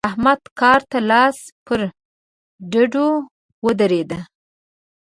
احمد کار ته لاس پر ډډو ودرېد.